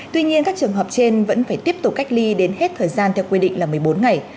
tuy nhiên các trường hợp trên vẫn phải tiếp tục cách ly đến hết thời gian theo quy định là một mươi bốn ngày